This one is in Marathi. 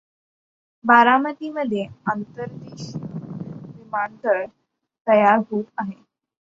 बारामती मध्ये आंतर्देशीय विमानतळ तयार होत आहे.